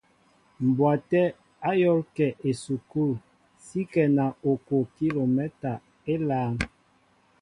Mbwaté a yól kέ a esukul si ŋkέŋa okoʼo kilomɛta élāān.